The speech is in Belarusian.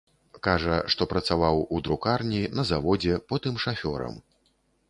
Кажа, што працаваў у друкарні, на заводзе, потым шафёрам.